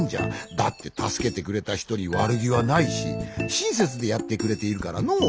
だってたすけてくれたひとにわるぎはないししんせつでやってくれているからのう。